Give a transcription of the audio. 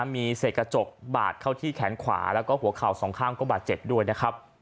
มีเศษกระจกบาดเข้าที่แขนขวาแล้วก็หัวเข่าสองข้างก็บาดเจ็บด้วยนะครับ